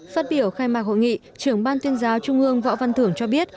phát biểu khai mạc hội nghị trưởng ban tuyên giáo trung ương võ văn thưởng cho biết